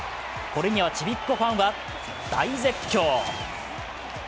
これにはちびっ子ファンは大絶叫。